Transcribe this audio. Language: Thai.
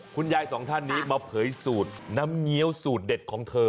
สองท่านนี้มาเผยสูตรน้ำเงี้ยวสูตรเด็ดของเธอ